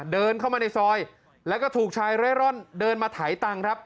เดินเข้ามาในซอยแล้วก็ถูกชายเร่ร่อนเดินมาถ่ายตังค์ครับ